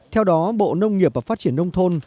theo đó bộ nông nghiệp và phát triển nông thôn